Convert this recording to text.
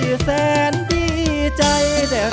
เพื่อจะไปชิงรางวัลเงินล้าน